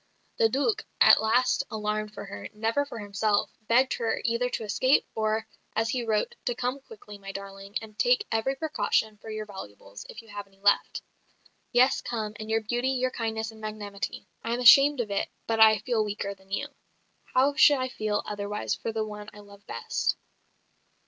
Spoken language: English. The Duc, at last alarmed for her never for himself begged her either to escape, or, as he wrote, to "come quickly, my darling, and take every precaution for your valuables, if you have any left. Yes, come, and your beauty, your kindness and magnanimity. I am ashamed of it, but I feel weaker than you. How should I feel otherwise for the one I love best?"